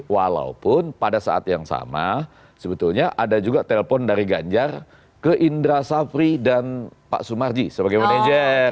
walaupun pada saat yang sama sebetulnya ada juga telpon dari ganjar ke indra safri dan pak sumarji sebagai manajer